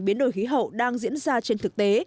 biến đổi khí hậu đang diễn ra trên thực tế